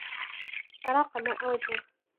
أراق ماء وجهه